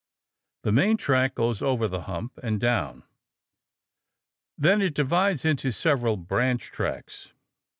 The main track goes over the hump and down. Then it divides into several branch tracks.